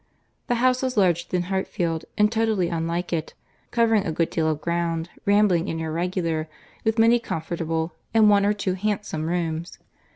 —The house was larger than Hartfield, and totally unlike it, covering a good deal of ground, rambling and irregular, with many comfortable, and one or two handsome rooms.